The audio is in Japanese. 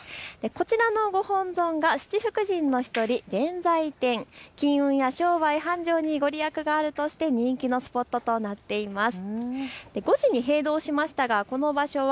こちらのご本尊が七福神の１人、弁財天、金運や商売繁盛に御利益があるとして人気のスポットとなっています。